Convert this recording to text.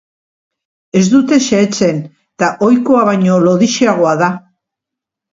Ez dute xehetzen, eta ohikoa baino lodixeagoa da.